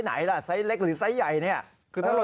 ไปแล้ว